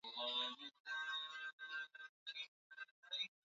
Kenya na Uganda akawa makamu wa mkuu wa Jeshi aliyekuwa bado Mwingereza Kutoka hapa